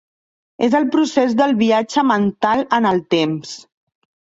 És el procés del viatge mental en el temps.